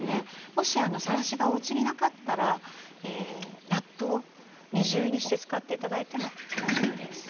もしさらしがおうちになかったらラップを二重にして使って頂いても大丈夫です。